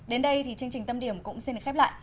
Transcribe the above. đến đây thì chương trình tâm điểm cũng xin được khép lại